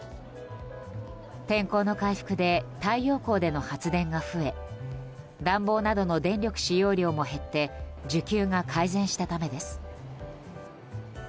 天候の回復で太陽光での発電が増え暖房などの電力使用量も減って需給が改善したためです。